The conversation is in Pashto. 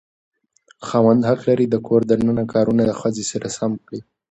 خاوند حق لري د کور دننه کارونه د ښځې سره سم کړي.